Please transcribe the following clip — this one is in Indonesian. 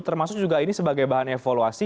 termasuk juga ini sebagai bahan evaluasi